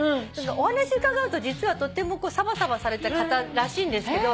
お話伺うと実はとってもサバサバされた方らしいんですけど。